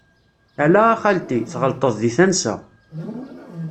Ala a xalti, tɣelṭeḍ di tansa.